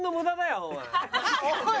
おい！